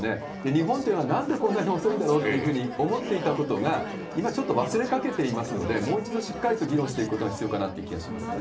日本というのはなんでこんなに遅いんだろうっていうふうに思っていたことが、今、ちょっと忘れかけていますので、もう一度しっかりと議論していくことが必要かなという気がしますね。